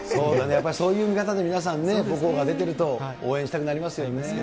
やっぱりそういう見方で皆さんね、母校が出てると応援したくなりますよね。